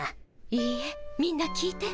いいえみんな聞いて。